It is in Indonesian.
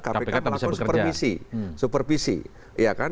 kpk melakukan supervisi